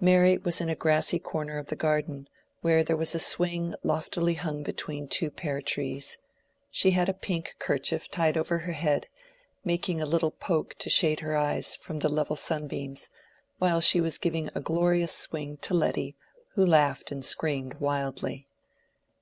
Mary was in a grassy corner of the garden, where there was a swing loftily hung between two pear trees. She had a pink kerchief tied over her head, making a little poke to shade her eyes from the level sunbeams, while she was giving a glorious swing to Letty, who laughed and screamed wildly.